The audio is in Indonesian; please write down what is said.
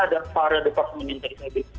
ada para departemen indonesia